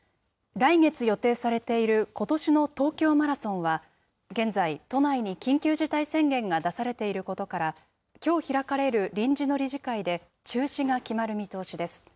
来月予定されていることしの東京マラソンは、現在、都内に緊急事態宣言が出されていることから、きょう開かれる臨時の理事会で中止が決まる見通しです。